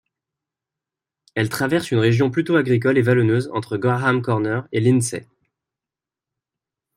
Elle traverse une région plutôt agricole et vallonneuse, entre Graham Corner et Lindsay.